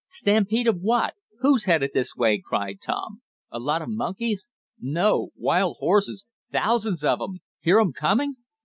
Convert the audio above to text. "Stampede of what? Who's headed this way?" cried Tom. "A lot of monkeys?" "No, wild horses! Thousands of 'em! Hear 'em coming?"